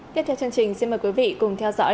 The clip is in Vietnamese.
tiếp theo chương trình xin mời quý vị cùng theo dõi